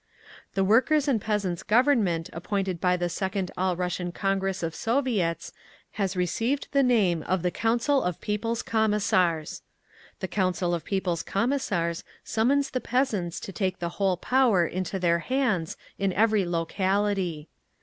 The Workers' and Peasants' Government appointed by the second All Russian Congress of Soviets has received the name of the Council of People's Commissars. The Council of People's Commissars summons the Peasants to take the whole power into their hands in every locality.